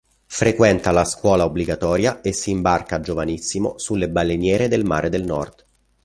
Frequenta la scuola obbligatoria e si imbarca giovanissimo sulle baleniere del Mare del Nord.